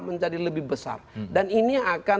menjadi lebih besar dan ini akan